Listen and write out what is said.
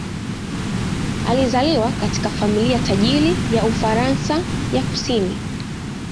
Alizaliwa katika familia tajiri ya Ufaransa ya kusini.